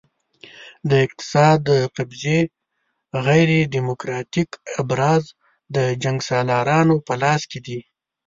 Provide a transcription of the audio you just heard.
د اقتدار د قبضې غیر دیموکراتیک ابزار د جنګسالارانو په لاس کې دي.